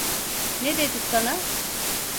Ne dedi sana?